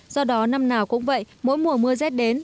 do đó năm nào cũng vậy mỗi mùa mưa rét đến